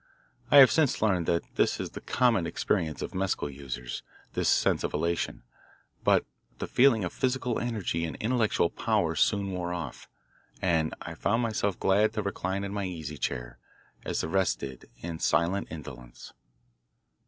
I have since learned that this is the common experience of mescal users, this sense of elation; but the feeling of physical energy and intellectual power soon wore off, and I found myself glad to recline in my easy chair, as the rest did, in silent indolence.